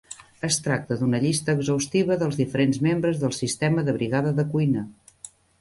Es tracta d'una llista exhaustiva dels diferents membres del sistema de Brigada de cuina.